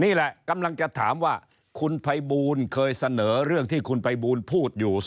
นี่แหละกำลังจะถามว่าคุณภัยบูลเคยเสนอเรื่องที่คุณภัยบูลพูดอยู่